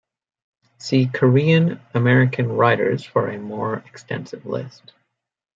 See Korean American writers for a more extensive list.